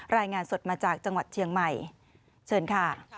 รายงานสดมาจากจังหวัดเชียงใหม่เชิญค่ะ